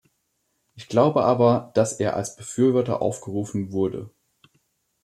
Ich glaube aber, dass er als Befürworter aufgerufen wurde.